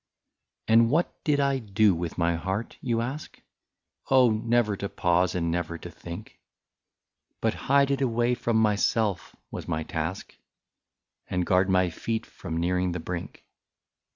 " And what did I do with my heart, you ask ?— Oh ! never to pause and never to think, But hide it away from myself, — was my task, And guard my feet from nearing the brink.